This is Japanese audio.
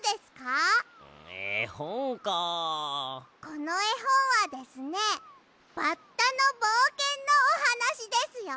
このえほんはですねバッタのぼうけんのおはなしですよ！